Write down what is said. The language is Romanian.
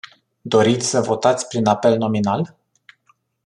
Doriți să votați prin apel nominal?